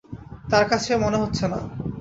তাঁর কাছে মনে হচ্ছে না।